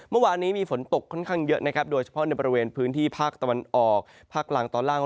เมื่อวานนี้มีฝนตกค่อนข้างเยอะนะครับโดยเฉพาะในบริเวณพื้นที่ภาคตะวันออกภาคล่างตอนล่าง